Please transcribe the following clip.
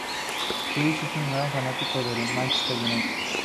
Chris es un gran fanático del Manchester United.